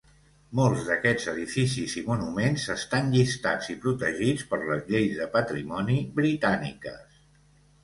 Molts d'aquests edificis i monuments estan llistats i protegits per les lleis de patrimoni britàniques.